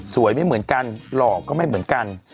ไม่เหมือนกันหล่อก็ไม่เหมือนกัน